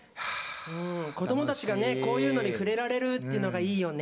子どもたちが、こういうのに触れられるっていうのがいいよね。